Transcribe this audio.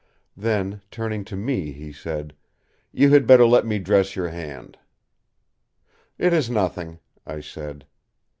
Then turning to me he said: "You had better let me dress your hand." "It is nothing," I said.